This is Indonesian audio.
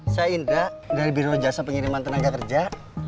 saya indra dari biro jasa pengiriman tenaga kerja